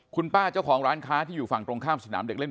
คุณป้าเจ้าของร้านค้าที่อยู่ฝั่งตรงข้ามสนามเด็กเล่น